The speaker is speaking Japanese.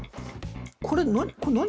これ何？